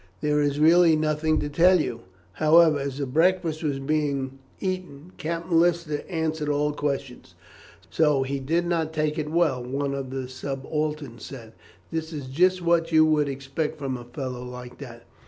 There is really nothing to tell you." However, as the breakfast was being eaten, Captain Lister answered all questions. "So he did not take it well," one of the subalterns said. "That is just what you would expect from a fellow like that."